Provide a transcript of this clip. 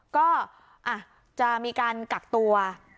ก็จะมีการกักตัว